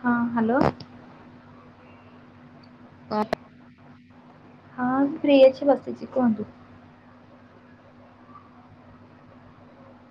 ହଁ, ହାଲୋ। [unintelligible] ହଁ ମୁଁ ଫ୍ରି ଅଛି, ବସିଛି, କୁହନ୍ତୁ?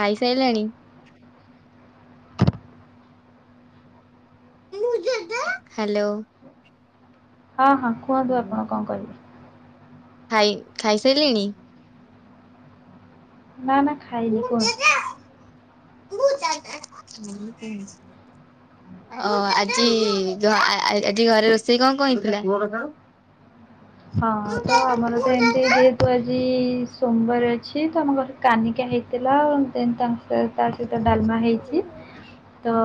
ଖାଇ ସାଇଲାଣି। ହାଲୋ। ହଁ ହଁ କୁହନ୍ତୁ ଆପଣ କଣ କହିବେ ଖାଇ ଖାଇସାଇଲେଣି? ନା ନା ଖାଇନି, କୁହନ୍ତୁ? [unintelligible] ଓ ଆଜି, ଆଜି ଘରେ ରୋଷେଇ କଣ କଣ ହେଇଥିଲା? ହଁ, ତ ଆମର ତ ଏମିତି ଯେହେତୁ ଆଜି ସୋମବାର ଅଛି, ତ ଆମ ଘରେ କାନିକା ହେଇଥିଲା, ଦେନ୍ ତାଙ୍କ ତା ସହିତ ଡାଲମା ହେଇଚି। ତ,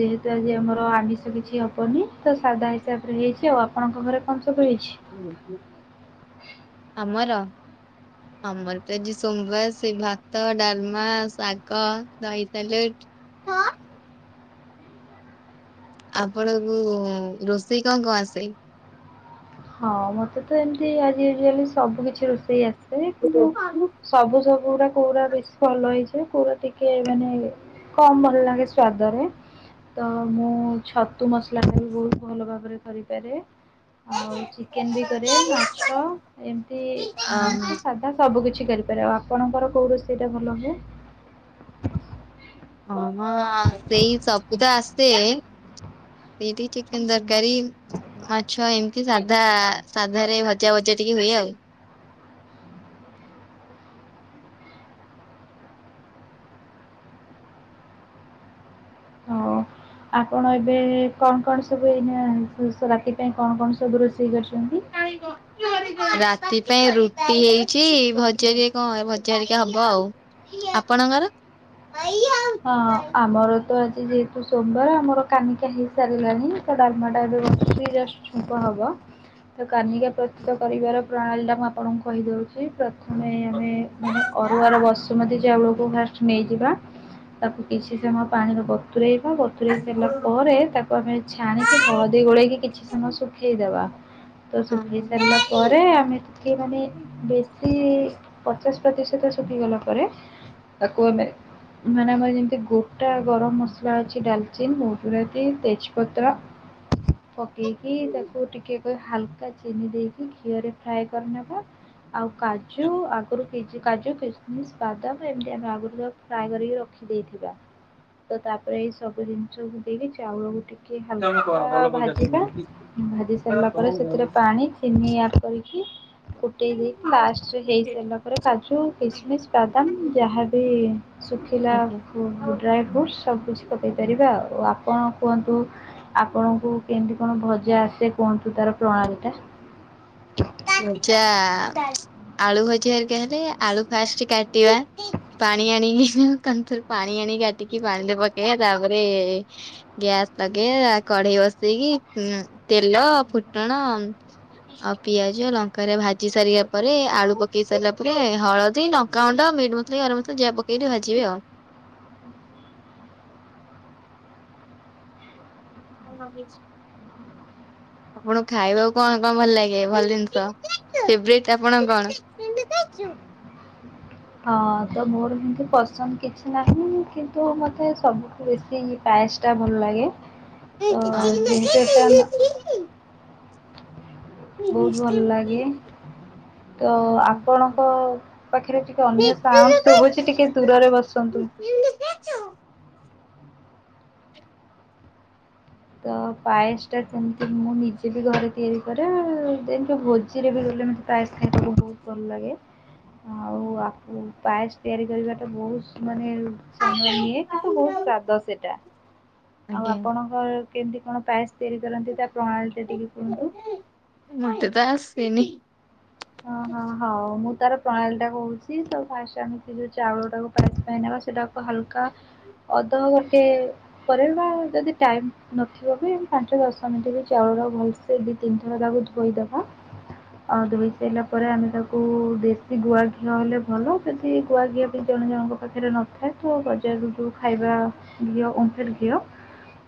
ଯେହେତୁ ଆଜି ଆମର ଆମିଷ କିଛି ହେବନି, ତ ସାଧା ହିସାବରେ ହେଇଚି ଆ। ଆପଣଙ୍କ ଘରେ କଣ ସବୁ ହେଇଛି? ଆମର ଆମର ତ ଆଜି ସୋମବାର, ସେଇ ଭାତ, ଡାଲମା, ଶାଗ, ଦହି ସାଲାଡ୍ [unintelligible] ଆପଣ ଙ୍କୁ ରୋଷେଇ କଣ କଣ ଆସେ? ହଁ, ମତେ ତ ଏମିତି ଆଜି ୟୁଲି ସବୁ କିଛି ରୋଷେଇ ଆସେ, କିନ୍ତୁ ସବୁ ସବୁ ଗୁଡା କୋଉଗୁରା ବେଶୀ ଭଲ ହେଇଯିବ, କୋଉଗୁରା ଟିକେ ମାନେ କମ୍ ଭଲ ଲାଗେ ସ୍ଵାଦରେ ତ ମୁଁ ଛତୁ ମସଲା ଟା ବି ବହୁତ ଭଲ ଭାବରେ କରିପାରେ, ଆଉ କେନ୍ ବି କରେ, ମାଛ, ଏମିତି ଅ ଆମିଷ ସା ହଁ, ସବୁ କିିଛି କରିପାରେ, ଆଉ ଆପଣଙ୍କର କୋଉ ରୋଷେଇଟା ଭଲ ହୁଏ? ହଁ ହଁ ସେଇ ସବୁ ତ ଆସେ [unintelligible] ଚିକେନ୍ ତରକାରୀ ମାଛ, ଏମିତି ସାଧା, ସାଧାରେ ଭଜା ଭଜା ଟିକେ ହୁଏ ଆଉ। ଆଉ ଆପଣ ଏବେ କଣ କଣ ସବୁ ଏଇନା, ରାତି ପାଇଁ କଣ କଣ ସବୁ ରୋଷେଇ କରିଚନ୍ତି? [unintelligible] ରାତି ପାଇଁ ରୁଟି ହେଇଛି ଭଜା ଜେ କଣ ଭଜା ହେରିକା ହବ ଆଉ। ଆପଣଙ୍କର? ହଁ ହଁ ଆମର ତ ଆଜି ଯେହେତୁ ସୋମବାର ଆମର କାନିକା ହେଇ ସାରିଲାଣି ତ ଡାଲମାଟା ଏବେ ବସିଚି ଜଷ୍ଟ ହେବ କାନିକା ପ୍ରସ୍ତୁତ କରିବାର ପ୍ରଣାଳୀଟା ମୁଁ ଆପଣଙ୍କୁ କହିଦଉଛି ପ୍ର ଆମେ ଆମେ ମାନେ ଅରୁଆର ବସୁମତି ଚାଉଳ କୁ ଫାଷ୍ଟ ନେଇଯିବା ତାକୁ କିଛି ସମୟ ପାଣିରେ ବତୁରେଇବା ବତୁରେଇ ସାରିଲା ପରେ ତାକୁ ଆମେ ଛାଣିକି ହଳଦୀ ଗୋଳେଇକି କିଛି ସମୟ ଶୁଖେଇଦେବା ତ ଶୁଖେଇ ସାରିଲା ପରେ ଆମେ ଟିକେ ମାନେ ବେଶୀ ପଚାଶ ପ୍ରତିଶତ ଶୁଖିଗଲା ପରେ। ତାକୁ ଆମେ ମାନେ। ଯେମିତି ଗୋଟା ଗରମ ମସଲା ଅଛି ଡାଲଚିନ୍ ଗୁଜୁରାତି ତେଜପତ୍ର ପକେଇକି ତାକୁ ଟିକେ କ ହାଲକା ଚିନି ଦେଇକି ଘିଅରେ ଫ୍ରାଏ କରନେବା। ଆଉ କାଜୁ ଆଗରୁ କିଯି କାଜୁ କିସମିସ ବାଦାମ ଏମିତି ଆମେ ଆଗରୁ ଫ୍ରାଏ କରିକି ରଖ। ଦେଇଥିବା ତ ତାପରେ ଏଇ ସବୁ ଜିନିଷକୁ ଦେଇକି ଚାଉଳକୁୁ ଟିକେ। ହାଲକା ଭାଜିବା ଭାଜି ସାରିଲା ପରେ ସେଥିରେ ପାଣି ଚିନି ଆଡ଼୍ କରିକି ଫୁଟେଇ ଦେଇକି ଲାଷ୍ଟ ହେଇସାରିଲା ପରେ କାଜୁ କିସମିସ ବାଦାମ ଯାହାବି ଶୁଖିଲା ଡ୍ରାଏ ଆଜ୍ଞା। ଫ୍ରୁଟ୍ ସବୁ କିଛି ପକେଇ ପାରିବା ଆଉ ଆପଣ କୁହନ୍ତୁ ଆପଣଙ୍କୁ କେମିତି କଣ ଭଜା ଆସେ କୁହନ୍ତୁ ତାର ପ୍ରଣାଳୀ ଟା। ଭଜା ଆଳୁ ଭଜା ହେରୀକା ହେଲେ ଆଳୁ ଫାଷ୍ଟ କାଟିବା। ପାଣି ଆଣିକି କନ୍ତୁର ପାଣି ଆଣିକି କାଟିକି ପାଣିରେ ପକେଇବା ତାପରେ ଗ୍ୟାସ୍ ଲଗେଇବା କଢେଇ ବସେଇକି ତେଲ ଫୁଟଣ। ଅପ୍ ପିଆଜ ଲଙ୍କାରେ ଭାଜି ସାରିଆ ପରେ ଆଳୁ ପକେଇ ସାରିଲା ପରେ ହଳଦୀ ଲଙ୍କାଗୁଣ୍ଡ ମିଟ୍ ମ [unintelligible] ହଁ ଲାଗିଛି। ହଁ ଆପଣଙ୍କୁ ଖାଇବାକୁ କଣ କଣ ଭଲ ଲାଗେ ଭଲ ଜିନିଷ ଫେବରାଇଟ ଆପଣଙ୍କ କଣ? [unintelligible] ହଁ ତ ମୋର ଏମିତି ପସନ୍ଦ କିଛି ନାହିଁ କିନ୍ତୁ ମତେ ସବୁଠୁ ବେଶୀ ପାଏସଟା ଭଲ ଲାଗେ ତ ଯେହେତୁ ଏଟା ବହୁତ ଭଲ ଲାଗେ। ତ ଆପଣଙ୍କ ପାଖେରେ ଟିକେ ଅନ୍ୟ ସାଉଣ୍ଡ ଶୁଭୁଛି ଟିକେ ଦୂରରେ ବସନ୍ତୁ। ନିମ କେଚୁ। ତ ପାଏସ ଟା ସେମିତି ମୁଁ ନିଜେ ବି ଘରେ ତିଆରି କରେ ଦେନ୍ ଭୋଜିରେ ବି ଗଲେ ମତେ ପାଏସ ଖାଇକୁ ବହୁତ ଭଲ ଲାଗେ। ଆଉ ଆ ପାଏସ ତିଆରି କରିବାଟା ବହୁତ ମାନେ ସମୟ ନିଏ କିନ୍ତୁ ବହୁତ ସ୍ୱାଦ ସେଇଟା। ଆଉ ଆପଣଙ୍କର କେମିତି କଣ ପାଏସ୍ ତିଆରି କରନ୍ତି ତା ପ୍ରଣାଳୀଟା ଟିକେ କୁହନ୍ତୁ। ମତେ ତ ଆସେନି। ହଁ ହଁ ହଉ। ମୁଁ ତାର ପ୍ରଣାଳୀ ଟା କହୁଛି। ତ ଫାଷ୍ଟ ଆମେ ସେ ଯୋଉ ଚାଉଳ ଟାକୁ ପା ପାଇଁ ନେବା, ସେଟାକୁ ହାଲକା ଅଧ ଗୋଟେ ପରେ ବା ଯଦି ଟାଇମ ନଥିବ ବି ପାଞ୍ଚ ଦଶ ମିନିଟ୍ ବି ଚାଉଳ ଟାକୁ ଭଲ ସେଇ ଦି ତିନିଥର ତାକୁ ଧୋଇଦବା, ଆଉ ଦୁଇ ଦେଇଲା ପରେ ଆମେ ତାକୁ ଦେଶୀ ଗୁଆ ଘିଅ ହେଲେ ଭଲ, ଯଦି ଗୁଆ ଘିଅ ବି ଜଣେ ଜଣଙ୍କ ପାଖରେ ନ ନଥାଏ ତ ବଜାରରୁ ଯୋଉ ଖାଇବା ଘିଅ ଓମ୍ ଫେଡ୍ ଘିଅ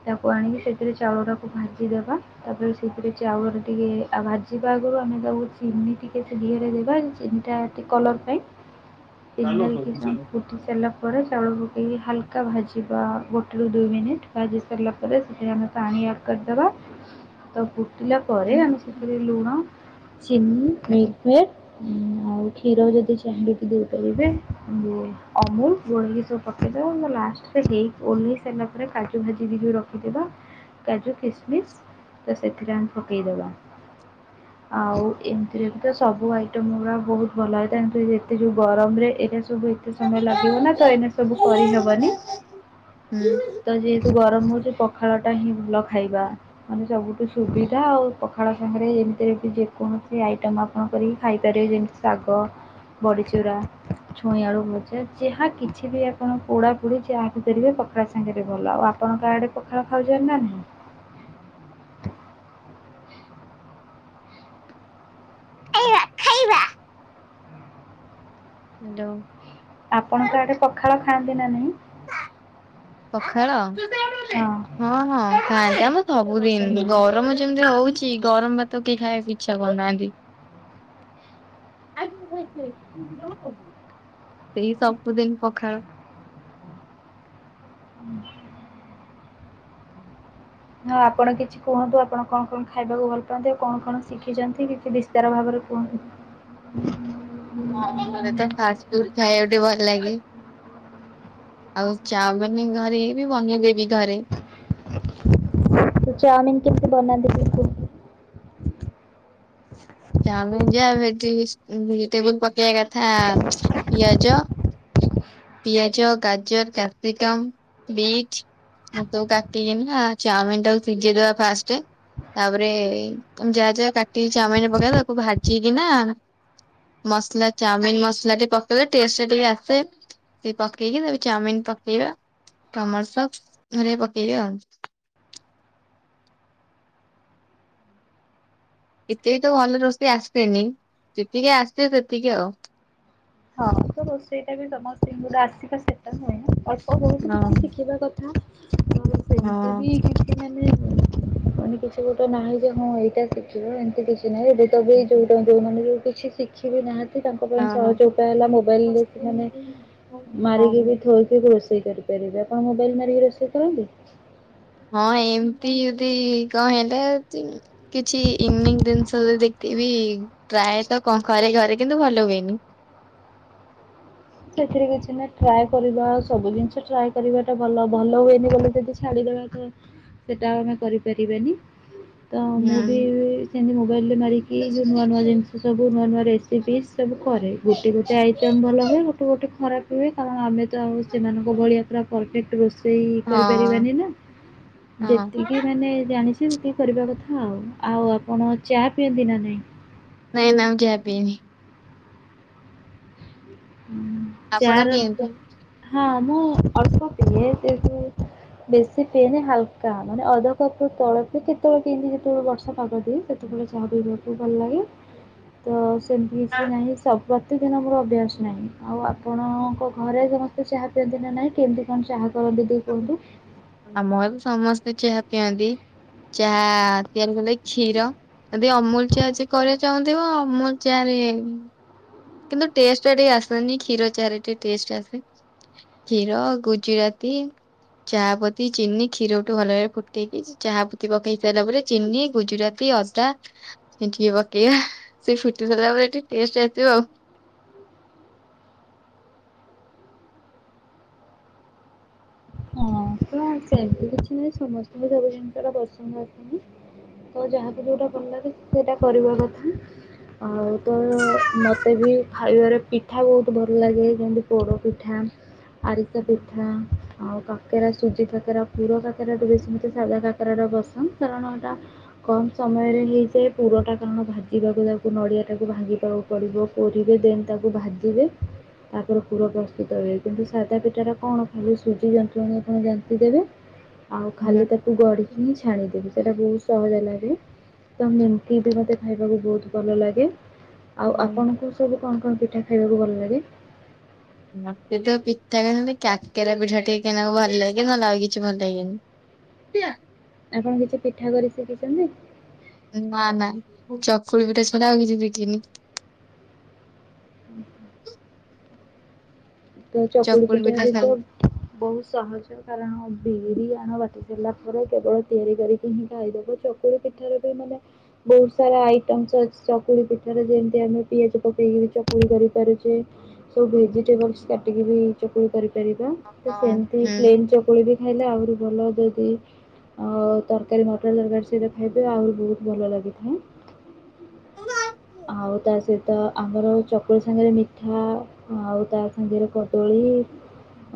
ତାକୁ ଆଣିକି ସେଥିରେ ଚାଉଳଟାକୁ ଭାଜିଦେବା। ତାପରେ ସେଥିରେ ଚାଉଳରେ ଟିକେ ଭାଜିବା ଆଗରୁ ଆମେ ତାକୁ ଚିନି ଟିକେ ସେ ଘିଅ ରେ ଦେବା ଚିନିଟା ଟିକେ କଲର୍ ପାଇଁ, ହ୍ୟାଲୋ ଚିନିଟା କିଛି ସମୟ ପଖାଳ ଫୁ ହେଇ ସାରିଲା ପରେ ଚାଉଳ ପକେଇକି ହାଲକା ଭାଜିବା ଗୋଟେରୁ ଦୁଇ ମିନିଟ୍, ଭାଜି ସାରିଲା ପରେ ସେଥିରେ ଆମେ ପାଣି ଆଡ୍ କରିଦେବା। ତ ଫୁଟିଲା ହଁ ପରେ ଆମେ ସେଥିରେ ଲୁଣ, ଚିନି, ମିଲ୍କମେଡ୍ ଆଉ କ୍ଷୀରକୁ ଯଦି ଚାହିଁଲେ ବି ଦେଇପାରିବେ ଅମୁଲ ଗୋଳେଇକି ସବୁ ପକେଇଦେବା ଆଉ ଲାଷ୍ଟରେ ହେଇ ଓହ୍ଲେଇ ସାରିଲା ପରେ କାଜୁ ଭାଜି ଟିକେ ରଖିଥିବା କାଜୁ, କିସ୍ ମିସ୍ ତ ସେଥିରେ ଆମେ ପକେଇଦବା। ଆଉ ଏ ଏଥିରେ ତ ସବୁ ଆଇଟମ୍ ଗୁଡ଼ା ବହୁତ ଭଲ ହୋଇଥାଏ। କିନ୍ତୁ ଏତେ ଯଉ ଗରମରେ ଏଇଟା ସବୁ ଏତେ ସମୟ ଲାଗିବ ନା ତ ଏଇନେ ସବୁ କରିହେବନି। ହୁଁ। ତ ଯେହେତୁ ଗରମ ହଉଛି ପଖାଳ ଟା ହିଁ ଭଲ ଖାଇବା। ମାନେ ସବୁଠୁ ସୁବିଧା ଆଉ ପଖାଳ ସାଙ୍ଗରେ ଏମିତିରେବି ଯେକୌଣସି ସେ ଆଇଟମ୍ ଆପଣ କରିକି ଖାଇପାରିବେ। ଯେମିତି ଶାଗ, ବଡ଼ିଚୁରା, ଛୁଇଁ ଆଳୁ ଭ ଜା ଯାହା କିଛି ବି ଆପଣଙ୍କୁ ପୋଡ଼ା ପୋଡ଼ି ଯାହା ବିି ଦେଲେ ପଖାଳ ସାଙ୍ଗରେ ଭଲ, ଆଉ ଆପଣଙ୍କ ଆଡ଼େ ପଖାଳ ଖାଉଛନ୍ତି ନା ନାହିଁ? ଖାଇବା ଖାଇବା। ହ୍ୟାଲୋ। ଆପଣଙ୍କ ଆଡେ ପଖାଳ ଖାଆନ୍ତି ନା ନାଇଁ? ପଖାଳ ହଁ। ହଁ ହଁ ଖାଆନ୍ତି। ଆମର ସବୁଦିନ ଗରମ ଯେମିତି ହଉଛି ଗରମ ଭାତ କିଏ ଖାଇବାକୁ ଇଚ୍ଛା କରୁନାହାନ୍ତି। [inaudible] ସେଇ ସବୁଦିନ ପଖାଳ। ହଁ ଆପଣ କିଛି କୁହନ୍ତୁ ଆପଣ କଣ କଣ ଖାଇବାକୁ ଭଲ ପାଆନ୍ତି, ଆଉ କଣ କଣ ଶିଖିଛନ୍ତି କିଛି ବିସ୍ତାର ଭାବରେ କୁହନ୍ତୁ। [inaudible] ହଁ, ମତେ ତ ଫାଷ୍ଟ ଫୁଡ୍ ଖାଇବାକୁ ଟିକେ ଭଲ ଲାଗେ। ଆଉ ଚାଉମିନ୍ ଘରେ ବି ବନେଇଦେବି ଘରେ। ତ ଚାଉମିିନ୍ କେମିତି ବନାନ୍ତି ଟିକେ କୁହନ୍ତୁ? ଚାଉମିିନ୍ ଯାହା ଭେଜିଟେବୁଲ୍ ପକେଇବା କଥା ପିଆଜ ପିଆଜ, ଗାଜର, କ୍ୟାପ୍ସିକମ୍, ବିଟ୍। ଆକୁ ସବୁ କାଟିିକିନା ଚାଉମିନ୍ ଟାକୁ ସିଝେଇଦବା ଫାଷ୍ଟ। ତାପରେ ତମେ ଯାହା ଯାହା କାଟିିକି ଚାଉମିନ୍ ରେ ପକେଇବା ତାକୁ ଭାଜି ଭାଜି କିନା ମସଲା ଚାଉମିିନ ମସଲା ଟିକେ ପକେଇଲେ ଟେଷ୍ଟ ଟା ଟିକେ ଆସେ। ସେ ପକେଇକି ତାପରେ ଚାଉମିିନ ପକେଇବା ଟମୋଟ ସସ୍ ଘରିକା ପକେଇବା ଆଉ। ଏତେ ବି ତ ଭଲ ରୋଷେଇ ଆସେନି। ଯେତିକି ଆସେ ସେତିକି ଆଉ। ହଁ ତ ରୋଷେଇଟା ବି ସମସ୍ତଙ୍କୁ ତ ଆସିବା ସେଟା ନୁହେଁ ନା, ଅଳ୍ପ ବହୁତ ହଁ କିଛି ଶିଖିବା କଥା। ହଁ, ମୁଁ ସେମିତି ହଁ ବି କି [unintelligible] ମାନେ କିଛି ଗୋଟେ ନାହିଁ ଯେ ହଁ ଏଇଟା ଶିଖିବ ଏମିତି କିଛି ନାହିଁ। [unintelligible] ଯୋଉ ଯୋଉମାନେ ବି କିଛି ଶିଖିବି ନାହାନ୍ତି ତାଙ୍କ ପାଇଁ ହଁ। ସହଜ। ଯଉଟା ହେଲା ମୋବାଇଲ ରେ ସେମାନେ ହଁ ମାରିକି ବି ଥୋଇ ରୋଷେଇ କରିପାରିବେ ଆପଣ ମୋବାଇଲ ମାରିକି ରୋଷେଇ କରନ୍ତି। ହଁ ଏମିତି ଯଦି କଣ ହେଲେ ଚି କିଛି ଇନ ଜିନିଷ ଯ ଦେଖିବି ପ୍ରାୟତ କଣ ଘରେ କିନ୍ତୁ ଭଲ ହୁଏନି। ସେଥିରେ କିଛି ନାହିଁ ଟ୍ରାଏ କରିବା ସବୁ ଜିନିଷ ଟ୍ରାଏ କରିବା ଟା ଭଲ ଭଲ ହୁଏନି ବୋଲି ଯଦି ଛାଡିଦବା ତ ସେଟା ଆମେ କରିପାରିବାନି। ତ ମୁଁ ବି ହୁଁ। ସେମିତି ମୋବାଇଲରେ ମାରିକି ଯଉ ନୂଆ ନୂଆ ଜିନିଷ ସବୁ ନୂଆ ନୂଆରେ ଦିଦି ସବୁ କରେ ଗୋଟେ ଗୋଟେ ଆଇଟମ ଭଲ ହୁଏ। ଗୋଟେ ଖରାପ ରୁହେ କାରଣ ଆମେ ତ ଆଉ ସେମାନଙ୍କ ଭଳିଆ ପୁରା ପରଫେକ୍ଟ ର ସେଇ ହଁ କରିପାରିବାନି ନା ହଁ ଯେତିକି ମାନେ ଜାଣିଛେ ସେତିକି କରିବା କଥା ଆଉ ଆପଣ ଚାହା ପିଇବେ ନା ନାହିଁ। ନାଇଁ ନା ମୁଁ ଚା ପିଏନି। ଆପଣ ଚାର ପିଅନ୍ତି? ହଁ ମୁଁ ଅଳ୍ପ ପିଏ ସେ ସବୁ। ବେଶି ପିଏନି ହାଲକା ମାନେ ଅଧ କପ୍ ତଳକୁ [unintelligible] ସେତେବେଳେ ଚାହା ପିଇବାକୁ ଭଲ ଲାଗେ ତ ସେମିତି କିଛି ନାହିଁ ପ୍ରତେକଦିନ ମୋର ଅଭ୍ୟାସ। ଆଉ ଆପଣଙ୍କ ଘରେ ସମସ୍ତେ ଚାହା ପିଅନ୍ତି ନା ନାଇଁ କେମିତି କଣ ଚାହା ପିଅନ୍ତି। ସେ କୁହନ୍ତୁ। ଆମ ଏ ବି ସମସ୍ତେ ଚାହା ପିଅନ୍ତି। ଚାହା ତିଆରି କଲେ କ୍ଷୀର ଯଦି ଅମୂଲ ଚାହା ଯିଏ କରିବାକୁ ଚାହୁଁଥିବ ମୁଁ ଚାହା ଲିଏନି। କିନ୍ତୁ ଟେଷ୍ଟ ଟା ଟିକେ ଆସନି କ୍ଷୀର ଚାରେ ଟିକେ ଟେଷ୍ଟ ଆସେ। କ୍ଷୀର, ଗୁଜୁରାତି ଚାହାପତି, ଚିନି, କ୍ଷୀରଠୁ ଭଲଭାବେ ଫୁଟେଇକି ଚାହାପତି ପକେଇ ସାରିଲା ପରେ ଚିନି, ଗୁଜୁରାତି, ଅ ସେ ଟିକେ ପକେଇବା ସେ ଫୁଟି ସଲା ପରେ ଟିକେ ଟେଷ୍ଟ ଆସିବ। ହଁଣ ସେମତି କିଛି ନାହିଁ ସମସ୍ତଙ୍କୁ ସବୁ ଜିନିଷା ପସନ୍ଦ ଆସିନି। ତ ଯାହାକୁ ଯୋଉଟା ଭଲ ଲାଗୁଛି ସେଟା କରିବା କଥା। ଆଉ ତ ମୋତେ ବି ଖାଇବାରେ ପିଠା ବହୁତ ଭଲ ଲାଗେ ଯେମିତି ପୋଡ଼ ପିଠା ଆରିସା ପିଠା ଆଉ କା କାକେରା ସୁଜି କାକେରା ପୁର କାକେରାଟୁ ବି ସେମିତି ସାଧା କାକେରାଟା ପସନ୍ଦ କାରଣ ଏଟା କମ୍ ସମୟରେ ହେଇଯାଏ ପୁରଟା କାରଣ ଭାଜିବାକୁ ଯାଉକୁ ନଡ଼ିଆଟାକୁ ଭାଙ୍ଗିଦଉ ପଡ଼ିବ [unintelligible] ଦେନ୍ ତାକୁ ଭାଜିବେ। ତାପରେ ଫୁଲ ପ୍ରସ୍ତୁତ ହୁଏ କିନ୍ତୁ ସାଧା ପିଠାଟା କଣ ଖାଲି ସୁଜି ଜ ପୁଣି ଆପଣ ଯେମିତି ଦେବେ ଆଉ ହୁଁ ଖାଲି ତା ଗଢ଼ିକି ହିଁ ଛାଣିଦେବି ସେଟା ବହୁତ ସହଜ ଲାଗେ। ତମ ଏମତି ବି ମତେ ଖାଇବାକୁ ବହୁତ ଭଲ ଲାଗେ। ଆଉ ହୁଁ। ଆପଣଙ୍କୁ ସବୁ କଣ କଣ ପିଠା ଖାଇବାକୁ ଭଲ ଲାଗେ? ମତେ ତ ପିଠା କଲେ କାକରା ପିଠା ଟିକେ ନାଗୁ ଭଲ ଲାଗେ ନହେଲେ ଆଉ କିଛି ଭଲଲାଗେନି। ଟିଆ ଆପଣ କିଛି ପିଠା କରି ଶିଖିଛନ୍ତି। ନା ନା ଚକୁଳି ପିଠା ଛଡ଼ା ଆଉ କିଛି ଶିଖିନି। ହୁଁ ତ ଚକୁଳି ପିଟା ପିଠା ବି ତ ଖାଲି ବହୁତ ସହଜ କାରଣ ବିରି ଆଣ ବାଟି ଦେଲା ପରେ କେବଳ ତିଆରି କରିକି ହିଁ ଖାଇଦେବ ଚକୁଳି ପିଠାରେ ବି ମାନେ ବହୁତ ସାରା ଆଇଟମସ ଅଛି। ଚକୁଳି ପିଠାରେ ଯେମିତି ଆମେ ପିଆଜ ପକେଇକି ଚକୁଳି କରି ପାରୁଛେ ସବୁ ଭେଜିଟେବଲସ କାଟିକି ବି ଚକୁଳି କରିପାରିବା ତ ହଁ ସେମିତି ହୁଁ ପ୍ଲେନ ଚକୁଳି ବି ଖାଇଲେ ଆହୁରି ଭଲ ଯଦି ଆଉ ତରକାରୀ ମଟର ତରକାରୀ ସେହିତ ଖାଇବେ ଆହୁରି ବହୁତ ଭଲ ଲାଗିଥାଏ। ଆଉ ତା ସହିତ ଆମର ଚକୁଳି ସାଙ୍ଗରେ ମିଠା ଆଉ ତା ସାଙ୍ଗରେ କଦଳୀ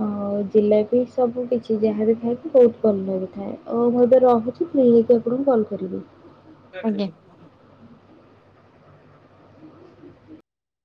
ଆଉ ଜିଲାପି ସବୁ କିଛି ଯାହା ବିି ଖାଇବୁ ବହୁତ ଭଲ ଲାଗି ଥାଏ। ଓ ମୁଁ ଏବେ ରହୁଚି ଫ ନେଇକି ଆପଣଙ୍କୁ କଲ୍ କରିବି। ଆଜ୍ଞା।